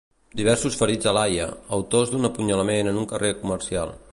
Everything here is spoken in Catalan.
Diversos ferits a l'Haia, autors d'un apunyalament en un carrer comercial.